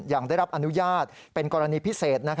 อย่างได้รับอนุญาตเป็นกรณีพิเศษ